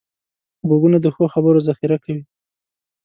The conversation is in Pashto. غوږونه د ښو خبرو ذخیره کوي